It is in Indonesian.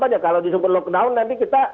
aja kalau disebut lockdown nanti kita